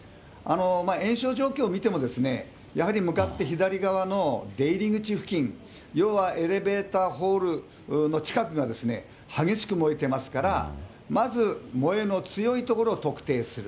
延焼状況を見ても、やはり向かって左側の出入り口付近、要はエレベーターホールの近くが、激しく燃えてますから、まず燃えの強い所を特定する。